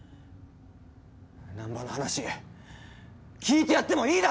難破の話聞いてやってもいいだろ！